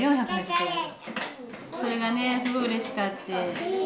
それがねすごくうれしかって。